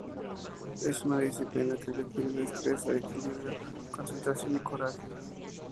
Es una disciplina que requiere destreza, equilibrio, concentración y coraje.